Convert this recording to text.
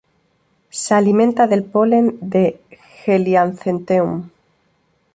Se alimenta del polen de "Helianthemum".